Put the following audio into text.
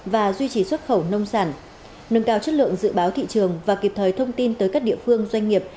và duy trì xuất khẩu nông sản nâng cao chất lượng dự báo thị trường và kịp thời thông tin tới các địa phương doanh nghiệp